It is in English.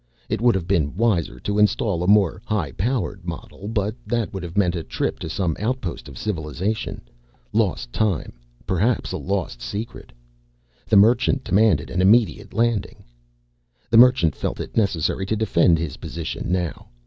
It would have been wiser to install a more high powered model, but that would have meant a trip to some outpost of civilization; lost time; perhaps a lost secret. The Merchant demanded an immediate landing. The Merchant felt it necessary to defend his position now.